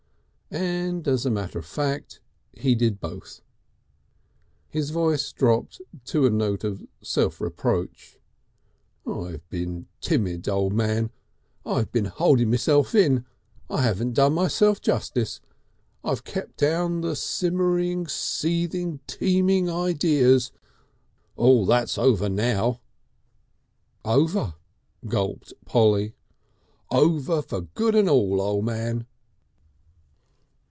And as a matter of fact he did both. His voice dropped to a note of self reproach. "I've been timid, O' Man. I've been holding myself in. I haven't done myself Justice. I've kept down the simmering, seething, teeming ideas.... All that's over now." "Over," gulped Polly. "Over for good and all, O' Man."